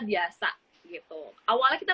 biasa gitu awalnya kita